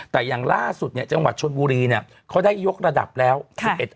แต่อย่างล่าสุดเนี่ยจังหวัดชนบุรีเนี่ยเขาได้ยกระดับแล้ว